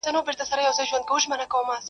او خپل بار وړي خاموشه-